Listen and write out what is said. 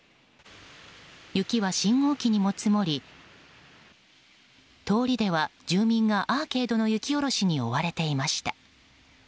雪は信号機にも積もり通りでは住民がアーケードの雪下ろしに追われていました。